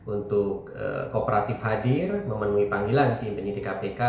untuk kooperatif hadir memenuhi panggilan tim penyidik kpk